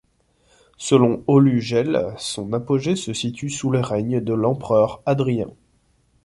Selon Aulu-Gelle, son apogée se situe sous le règne de l'empereur Hadrien.